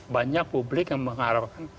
banyak publik yang mengharapkan